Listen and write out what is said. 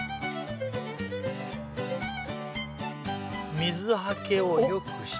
水はけを良くして。